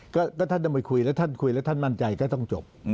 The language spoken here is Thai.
ก็ท่านต้องไปคุยแล้วท่านคุยแล้วท่านมั่นใจก็ต้องจบ